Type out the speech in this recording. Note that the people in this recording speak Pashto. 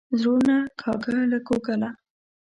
زړونه کاږي له کوګله.